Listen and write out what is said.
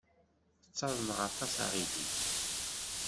Ttaḍneɣ aṭas aɣilif.